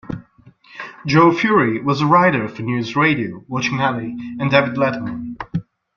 Joe Furey was a writer for "NewsRadio", "Watching Ellie", and David Letterman.